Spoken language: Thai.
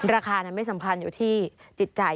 ราคานั้นไม่สำคัญอยู่ที่จิตใจ